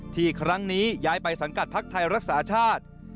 ที่ครั้งนี้ย้ายไปสังกัดภักดิ์ไทยรักษาชาติ